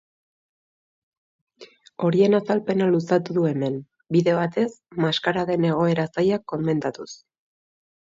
Horien azalpena luzatu du hemen, bide batez maskaraden egoera zaila komentatuz.